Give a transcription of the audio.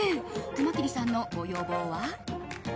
熊切さんのご要望は？